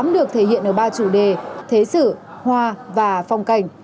tám được thể hiện ở ba chủ đề thế sử hoa và phong cảnh